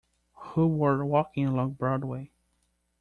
Who were walking along Broadway.